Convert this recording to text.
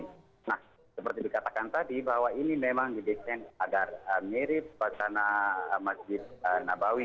nah seperti dikatakan tadi bahwa ini memang didesain agar mirip wacana masjid nabawi